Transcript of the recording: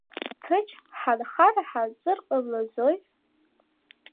Ҭынч ҳанхар-ҳанҵыр ҟамлаӡои?